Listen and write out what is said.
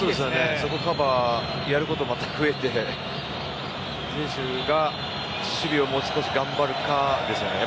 そこのカバーでやることが増えてジエシュが守備をもう少し頑張るかですね。